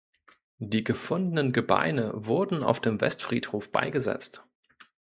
Die gefundenen Gebeine wurden auf dem Westfriedhof beigesetzt.